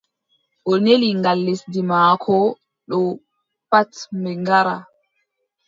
O neli ngal lesdi maako ɗo pat ɓe ngara.